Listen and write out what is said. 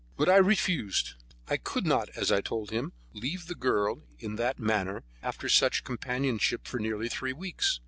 But I refused. I could not, as I told him, leave the girl in that manner after such companionship for nearly three weeks.